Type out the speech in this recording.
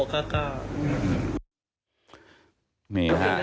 ครับไม่มั่นใจกลัวค่ะ